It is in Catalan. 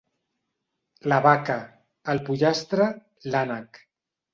La vaca, el pollastre, l'ànec.